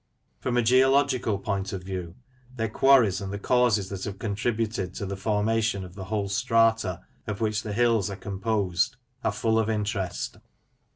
From a geological point of view, their quarries, and the causes that have contributed to the formation of the whole strata of which the hills are com posed, are full of interest.